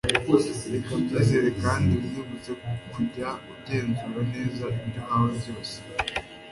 reka mbyizere kandi nkwibutse kujya ugenzura neza ibyo uhawe byose